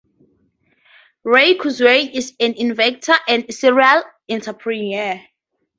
Ray Kurzweil is an inventor and serial entrepreneur.